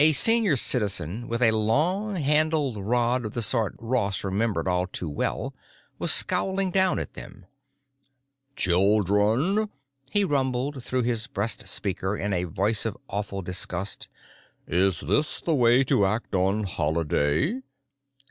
A Senior Citizen with a long handled rod of the sort Ross remembered all too well was scowling down at them. "Children," he rumbled through his breast speaker in a voice of awful disgust, "is this the way to act on Holiday?"